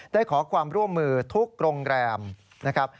ได้ขอความร่วมมือทุกโรงแรมนะครับ